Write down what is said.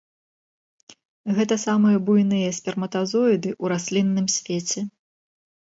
Гэта самыя буйныя сперматазоіды ў раслінным свеце.